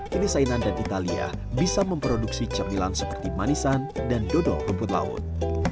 kini sainan dan italia bisa memproduksi cemilan seperti manisan dan dodol rumput laut